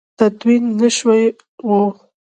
تدوین نه شوي وو.